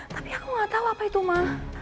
tapi aku gak tau apa itu ma